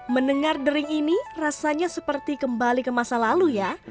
mendengar dering ini rasanya seperti kembali ke masa lalu ya